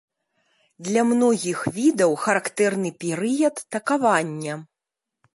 Для многіх відаў характэрны перыяд такавання.